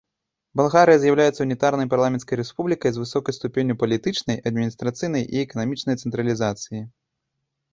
Балгарыя з'яўляецца унітарнай парламенцкай рэспублікай з высокай ступенню палітычнай, адміністрацыйнай і эканамічнай цэнтралізацыі.